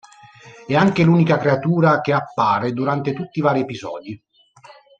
È anche l'unica creatura che appare durante tutti i vari episodi.